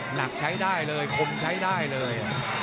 หนักใช้ได้เลยคมใช้ได้เลย